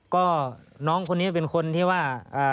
ก็น้องคนนี้เป็นคนที่ว่า